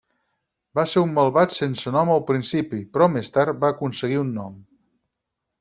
Va ser un malvat sense nom al principi, però més tard va aconseguir un nom.